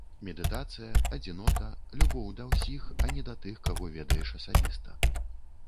Медытацыя, адзінота, любоў да ўсіх, а не да тых, каго ведаеш асабіста.